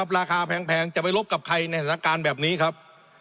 ราคาแพงจะลบกับใครในอันตรายแบบนี้ครับ